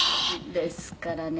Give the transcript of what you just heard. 「ですからね